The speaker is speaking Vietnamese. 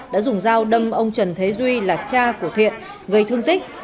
đã dùng dao đâm ông trần thế duy là cha của thiện gây thương tích